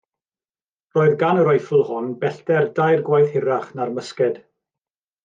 Roedd gan y reiffl hon bellter dair gwaith hirach na'r mysged.